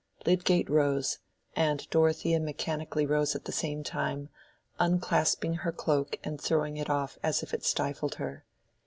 Lydgate rose, and Dorothea mechanically rose at the same time, unclasping her cloak and throwing it off as if it stifled her.